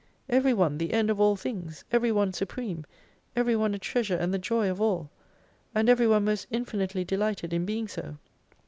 Every one the end of all things, everyone supreme, every one a treasure, and the joy of all, and every one most infinitely delighted in being so.